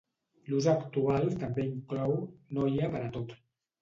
L'ús actual també inclou "noia per a tot".